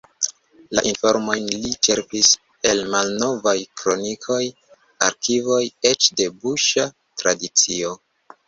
La informojn li ĉerpis el malnovaj kronikoj, arkivoj, eĉ de buŝa tradicio.